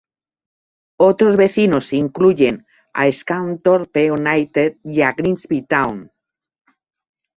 Otros vecinos incluyen a Scunthorpe United y a Grimsby Town.